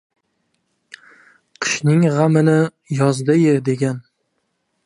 Qishning g‘amini yozda ye, degan!